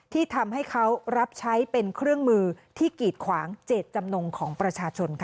ที่ทำให้เขารับใช้เป็นเครื่องมือที่กีดขวางเจตจำนงของประชาชนค่ะ